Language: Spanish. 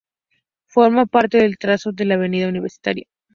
Forma parte del trazado de la avenida Universitaria.